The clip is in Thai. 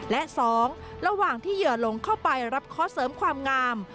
และ๒ระหว่างที่เหยื่อหลงเข้าไปรับเคาะเสริมความงาม